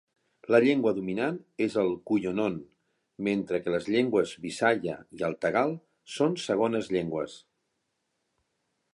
La llengua dominant és el cuyonon, mentre que les llengües bisaya i el tagal són segones llengües.